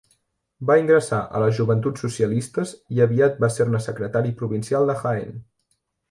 Va ingressar a les Joventuts Socialistes i aviat va ser-ne secretari provincial de Jaén.